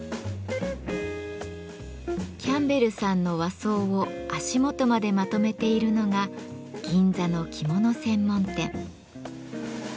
キャンベルさんの和装を足元までまとめているのが銀座の着物専門店。